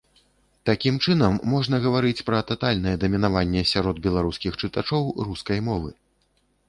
Такім чынам, можна гаварыць пра татальнае дамінаванне сярод беларускіх чытачоў рускай мовы.